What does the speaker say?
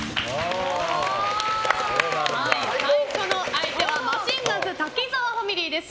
最初の相手はマシンガンズ滝沢ファミリーです。